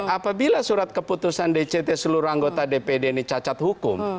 apabila surat keputusan dct seluruh anggota dpd ini cacat hukum